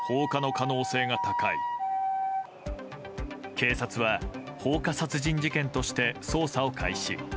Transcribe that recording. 警察は放火殺人事件として捜査を開始。